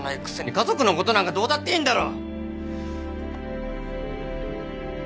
家族のことなんかどうだっていいんだろ！